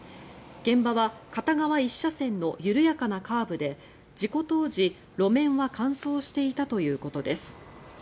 現場は片側１車線の緩やかなカーブで事故当時、路面は乾燥していたということです。